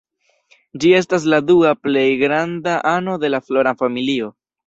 Ĝi estas la dua plej granda ano de la Flora familio.